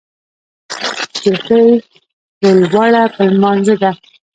جلکۍ ویلوړه په لمونځه ده